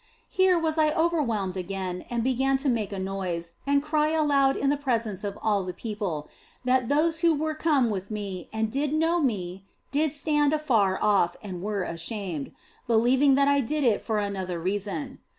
Here was I overwhelmed again and began to make a noise and call aloud in the presence of all the people, that those who were come with me and did know me did stand afar off and were ashamed, believing that I did it for another reason.